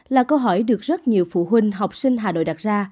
là câu hỏi được rất nhiều phụ huynh học sinh hà nội đặt ra